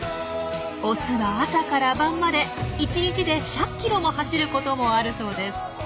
オスは朝から晩まで１日で１００ｋｍも走ることもあるそうです。